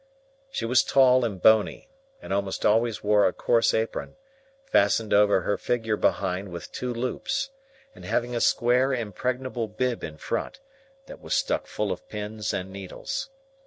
She was tall and bony, and almost always wore a coarse apron, fastened over her figure behind with two loops, and having a square impregnable bib in front, that was stuck full of pins and needles.